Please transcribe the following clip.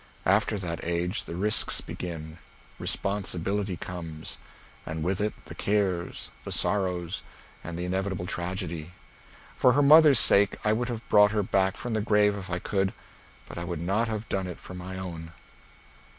After that age the risks begin; responsibility comes, and with it the cares, the sorrows, and the inevitable tragedy. For her mother's sake I would have brought her back from the grave if I could, but I would not have done it for my own.